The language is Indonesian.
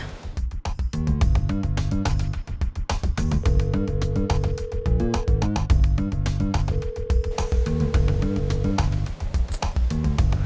tante aku mau ke rumah